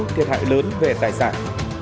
thiệt hại lớn về tài sản